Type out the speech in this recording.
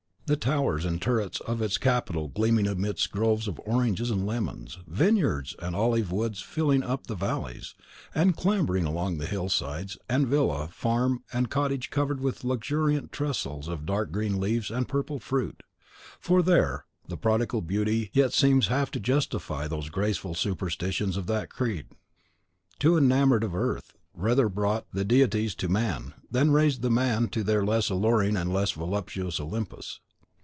The towers and turrets of its capital gleaming amidst groves of oranges and lemons; vineyards and olive woods filling up the valleys, and clambering along the hill sides; and villa, farm, and cottage covered with luxuriant trellises of dark green leaves and purple fruit. For there the prodigal beauty yet seems half to justify those graceful superstitions of a creed that, too enamoured of earth, rather brought the deities to man, than raised the man to their less alluring and less voluptuous Olympus.